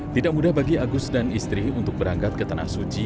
tidak mudah bagi agus dan istri untuk berangkat ke tanah suci